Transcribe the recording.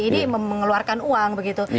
ini mengeluarkan uang